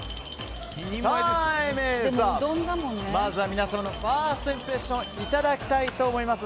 まずは皆さんのファーストインプレッションをいただきたいと思います。